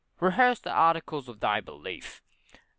Rehearse the Articles of thy belief.